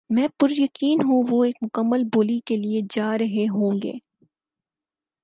میں پُریقین ہوں وہ ایک مکمل بولی کے لیے جا رہے ہوں گے